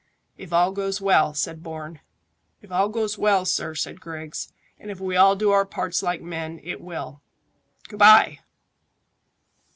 "If all goes well," said Bourne. "If all goes well, sir," said Griggs, "and if we all do our parts like men, it will. Good bye!"